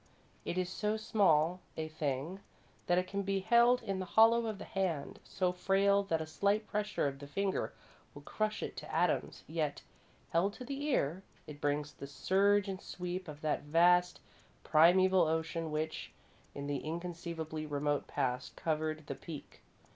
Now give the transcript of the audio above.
It is so small a thing that it can be held in the hollow of the hand; so frail that a slight pressure of the finger will crush it to atoms, yet, held to the ear, it brings the surge and sweep of that vast, primeval ocean which, in the inconceivably remote past, covered the peak.